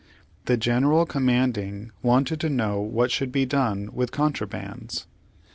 The general com manding wanted to know what should be done with "contrabands."